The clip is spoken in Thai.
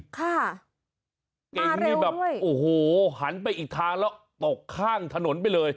ค่ะมาเร็วด้วยแบบโอ้โหหันไปอีกทางแล้วตกข้างถนนไปเลย